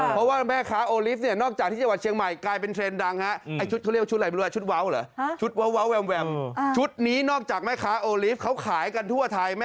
เพราะว่าม่าค้าโอลิฟพ์นอกจากที่จังหวัดเชียงใหม่